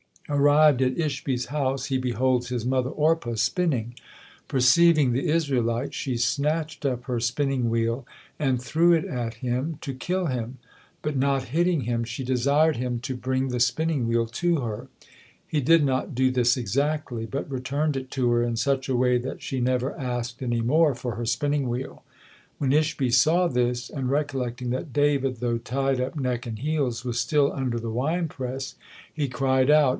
Arrived at Ishbi's house, he beholds his mother Orpa spinning. Perceiving the Israelite, she snatched up her spinning wheel and threw it at him, to kill him; but not hitting him, she desired him to bring the spinning wheel to her. He did not do this exactly, but returned it to her in such a way that she never asked any more for her spinning wheel. When Ishbi saw this, and recollecting that David, though tied up neck and heels, was still under the wine press, he cried out.